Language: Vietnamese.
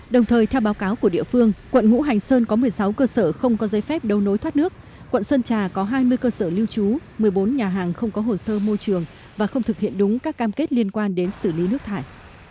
đồng thời theo báo cáo của địa phương quận ngũ hành sơn có một mươi sáu cơ sở không có giấy phép đấu nối thoát nước quận sơn trà có hai mươi cơ sở lưu trú một mươi bốn nhà hàng không có hồ sơ môi trường và không thực hiện đúng các cam kết liên quan đến xử lý nước thải